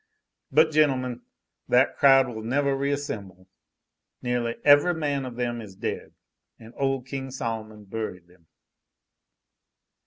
But gentlemen, that crowd will nevah reassemble. Neahly ev'ry man of them is dead, an' ole King Sol'mon buried them."